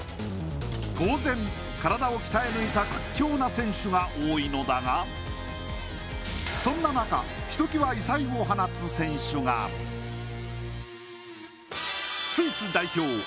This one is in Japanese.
当然、体を鍛え抜いた屈強な選手が多いのだがそんな中、ひときわ異彩を放つ選手がスイス代表